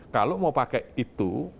kalau mau pakai itu